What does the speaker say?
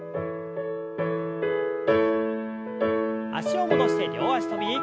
脚を戻して両脚跳び。